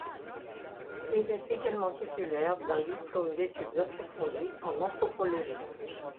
Il est également titulaire d'un diplôme d'études approfondies en anthropologie.